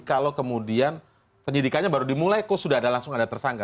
kalau kemudian penyidikannya baru dimulai kok sudah ada langsung ada tersangka